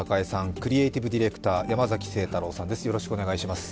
クリエイティブ・ディレクター山崎晴太郎さんです。